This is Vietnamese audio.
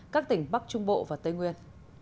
các tỉnh bắc trung bộ và tây nguyên